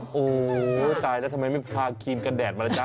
โอ้โหตายแล้วทำไมไม่พาครีมกันแดดมาล่ะจ๊